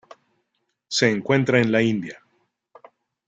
Se encuentra en la India.